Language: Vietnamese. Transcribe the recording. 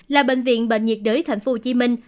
là bệnh viện bệnh nhiệt đới thành phú hồ chí minh